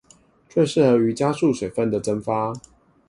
最適合於加速水分的蒸發